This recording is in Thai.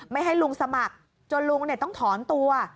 ไม่ให้ลุงสมัครจนลุงต้องถอนตัว